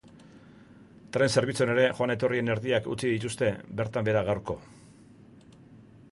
Tren zerbitzuan ere joan-etorrien erdiak utzi dituzte bertan behera gaurko.